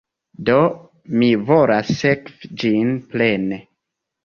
Do, mi volas sekvi ĝin plene